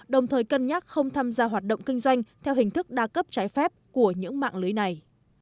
đồng thời cân nhắc không tham gia hoạt động kinh doanh theo hình thức đa cấp trái phép của những mạng lưới này